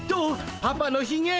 パパのひげ。